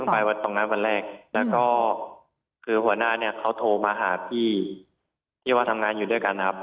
ไปตรงนั้นวันแรกแล้วก็คือหัวหน้าเนี่ยเขาโทรมาหาพี่ที่ว่าทำงานอยู่ด้วยกันครับ